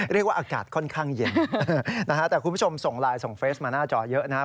อากาศค่อนข้างเย็นนะฮะแต่คุณผู้ชมส่งไลน์ส่งเฟสมาหน้าจอเยอะนะครับ